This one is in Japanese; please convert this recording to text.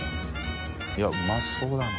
いうまそうだな。